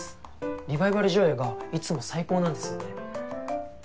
リバイバル上映がいつも最高なんですね。